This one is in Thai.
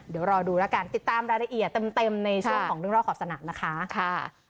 เดี๋ยวรอดูแล้วกันติดตามรายละเอียดเต็มในช่วงของเรื่องรอบขอบสนามนะคะ